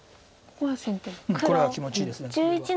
これは気持ちいいですこれは。